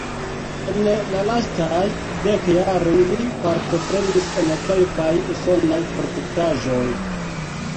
En la lastaj dek jaroj li partoprenis en kelkaj usonaj produktaĵoj.